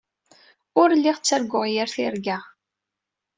Ur lliɣ ttarguɣ yir tirga.